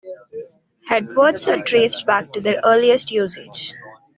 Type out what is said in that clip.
Headwords are traced back to their earliest usage.